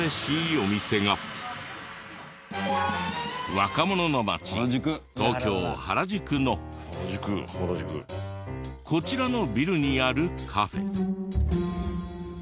若者の街東京原宿のこちらのビルにあるカフェ。